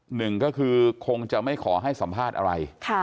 หนึ่งก็คือคงจะไม่ขอให้สัมภาษณ์อะไร